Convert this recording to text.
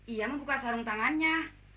ia membuka sarung tangannya